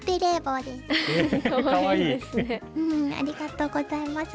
ウフフありがとうございます。